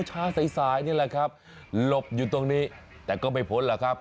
สายสายนี่แหละครับหลบอยู่ตรงนี้แต่ก็ไม่พ้นหรอกครับ